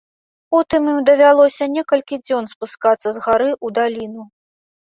Потым ім давялося некалькі дзён спускацца з гары ў даліну.